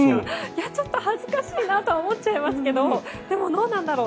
ちょっと恥ずかしいなとは思っちゃいますけどでも、どうなんだろう。